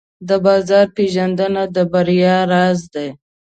د بازار پېژندنه د بریا راز دی.